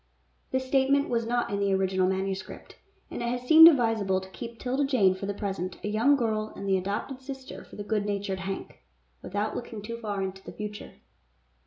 This statement was not in the original manuscript, and it has seemed advisable to keep 'Tilda Jane for the present a young girl and the adopted sister of the good natured Hank, without looking too far into the future.